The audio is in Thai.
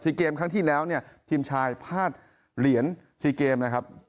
เกมครั้งที่แล้วเนี่ยทีมชายพาดเหรียญซีเกมนะครับ